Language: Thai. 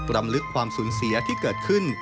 รำลึกความสูญเสียที่เกิดขึ้น